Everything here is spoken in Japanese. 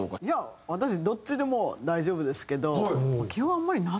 いや私どっちでも大丈夫ですけど基本あんまり。